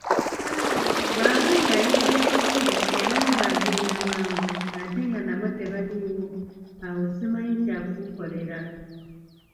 Bwaba ng'ayagala bakulu era ng'agenda mangu ate nga nabo tebaliwo awo simanyi kyakukukolera.